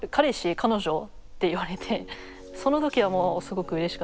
彼女？」って言われてその時はもうすごくうれしかったですね。